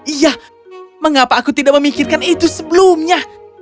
iya mengapa aku tidak memikirkan itu sebelumnya